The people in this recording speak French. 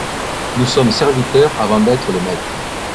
Nous sommes serviteurs avant d’être les maîtres ;